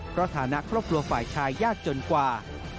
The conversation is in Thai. เพราะฐานะครอบครัวฝ่ายชายยากจนกว่า